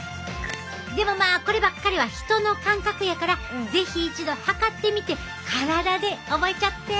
でもまあこればっかりは人の感覚やから是非一度測ってみて体で覚えちゃって。